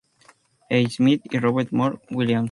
E. Smith y Robert Moore Williams.